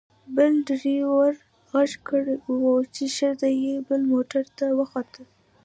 بل ډریور غږ کړی و چې ښځه یې بل موټر ته وخوته.